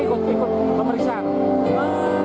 ibu yang ikut ikut pemeriksaan